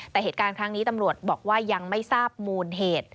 แต่เหตุการณ์ครั้งนี้ตำรวจบอกว่ายังไม่ทราบมูลเหตุ